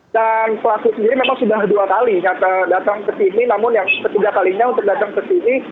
dan pelaku sendiri memang sudah dua kali datang ke sini namun yang ketiga kalinya untuk datang ke sini